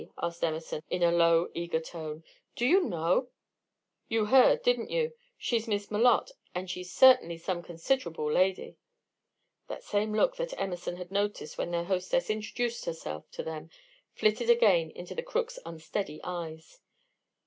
asked Emerson, in a low, eager tone. "Do you know?" "You heard, didn't you? She's Miss Malotte, and she's certainly some considerable lady." The same look that Emerson had noted when their hostess introduced herself to them flitted again into the crook's unsteady eyes.